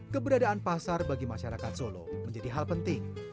keberadaan pasar bagi masyarakat solo menjadi hal penting